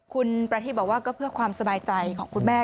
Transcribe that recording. คุณประทีบบอกว่าก็เพื่อความสบายใจของคุณแม่